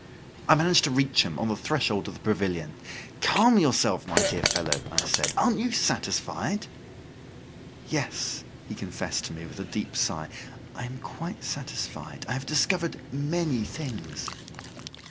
I managed to reach him on the threshold of the pavilion. "Calm yourself, my dear fellow," I said. "Aren't you satisfied?" "Yes," he confessed to me, with a deep sigh. "I am quite satisfied. I have discovered many things."